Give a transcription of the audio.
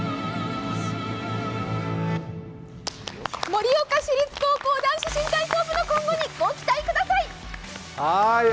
盛岡市立高校男子新体操部の今後にご期待ください。